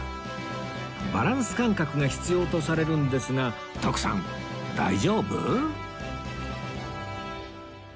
バランス感覚が必要とされるんですが徳さん大丈夫？